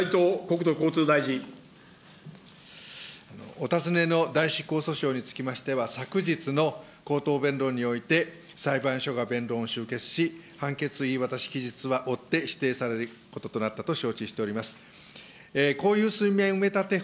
お尋ねの代執行訴訟につきましては、昨日の口頭弁論において、裁判所が弁論を終結し、判決言い渡し期日はおって指定されることとなったと承知しております。